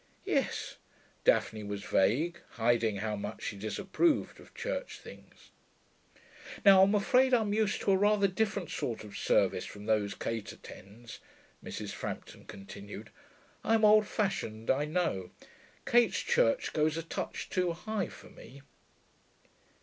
'Yes?' Daphne was vague, hiding how much she disapproved of church things. 'Now I'm afraid I'm used to a rather different sort of service from those Kate attends,' Mrs. Frampton continued. 'I'm old fashioned, I know. Kate's church goes a touch too high for me.'